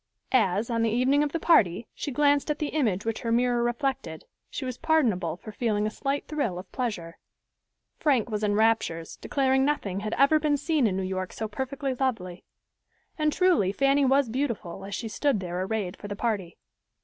As, on the evening of the party, she glanced at the image which her mirror reflected, she was pardonable for feeling a slight thrill of pleasure. Frank was in raptures, declaring nothing had ever been seen in New York so perfectly lovely. And truly, Fanny was beautiful as she stood there arrayed for the party.